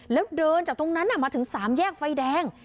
แล้วเดินจากตรงนั้นมาถึง๓แยกไฟแดง